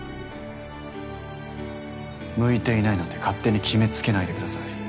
向いていないなんて勝手に決めつけないでください。